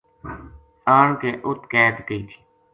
آن کے اُت قید کئی تھی